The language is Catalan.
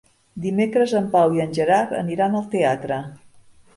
Dimecres en Pau i en Gerard aniran al teatre.